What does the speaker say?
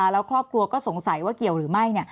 แล้วครอบครัวก็สงสัยว่าเกี่ยวหรือไม่